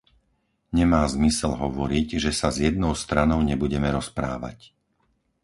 Nemá zmysel hovoriť, že sa s jednou stranou nebudeme rozprávať.